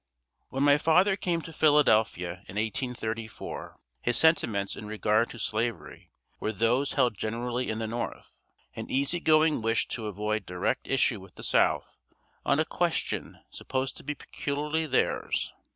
When my father came to Philadelphia in 1834, his sentiments in regard to Slavery were those held generally in the North an easy going wish to avoid direct issue with the South on a question supposed to be peculiarly theirs.